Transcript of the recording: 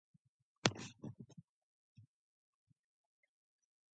Her exact birth date is not known.